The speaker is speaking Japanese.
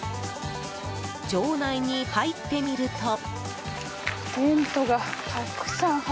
場内に入ってみると。